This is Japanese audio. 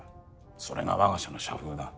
それが我が社の社風だ。